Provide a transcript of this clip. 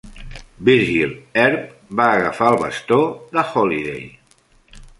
Virgil Earp va agafar el bastó de Holliday.